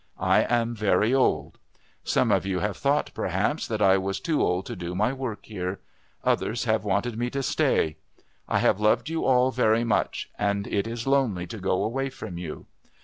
I am very old. Some of you have thought, perhaps, that I was too old to do my work here others have wanted me to stay. I have loved you all very much, and it is lonely to go away from you.